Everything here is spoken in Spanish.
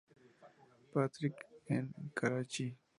Patrick en Karachi.